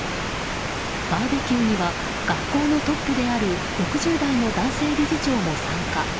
バーベキューには学校のトップである６０代の男性理事長も参加。